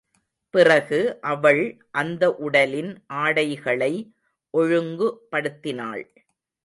பிறகு அவள் அந்த உடலின் ஆடைகளை ஒழுங்கு படுத்தினாள்.